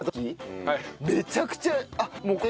めちゃくちゃ。